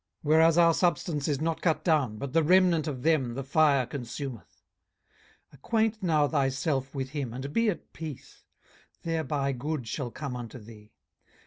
18:022:020 Whereas our substance is not cut down, but the remnant of them the fire consumeth. 18:022:021 Acquaint now thyself with him, and be at peace: thereby good shall come unto thee.